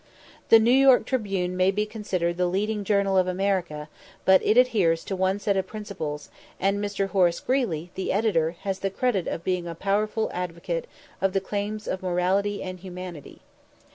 ] The New York Tribune may be considered the "leading journal" of America, but it adheres to one set of principles, and Mr. Horace Greely, the editor, has the credit of being a powerful advocate of the claims of morality and humanity.